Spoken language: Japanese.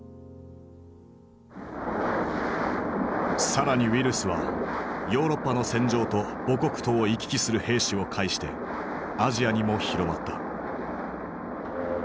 更にウイルスはヨーロッパの戦場と母国とを行き来する兵士を介してアジアにも広まった。